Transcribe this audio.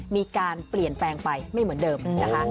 มีการเปลี่ยนแปลงไปไม่เหมือนเดิมนะคะ